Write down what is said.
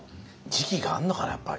時期があんのかなやっぱ。